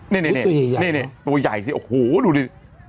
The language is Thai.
นี่ตัวใหญ่สิโอ้โหดูดิ